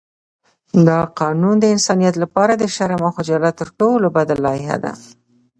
دا قانون د انسانیت لپاره د شرم او خجالت تر ټولو بده لایحه ده.